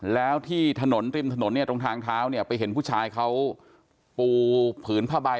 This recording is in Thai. แล้วที่ถนนริมถนนเนี่ยตรงทางเท้าเนี่ยไปเห็นผู้ชายเขาปูผืนผ้าใบ